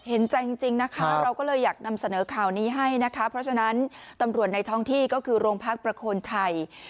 เห็นใจจริงนะคะเราก็เลยอยากนำเสนอข่าวนี้ให้นะคะเพราะฉะนั้นตำรวจในท้องที่ก็คือโรงพักประโคนชัย